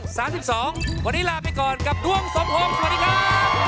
วันนี้ลาไปก่อนกับดวงสมพงศ์สวัสดีครับ